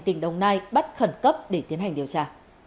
tỉnh đồng nai bắt khẩn cấp để tiến hành điều tra